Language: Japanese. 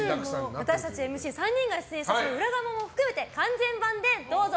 私たちＭＣ３人が出演したその裏側も含めて完全版で、どうぞ！